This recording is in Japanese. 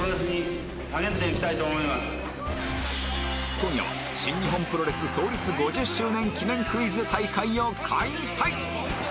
今夜は新日本プロレス創立５０周年記念クイズ大会を開催！